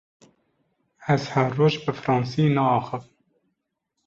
Ez her roj bi fransî naaxivim.